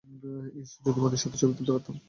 ইশ,, যদি মোদির সাথে ছবি তুলতে পারতাম।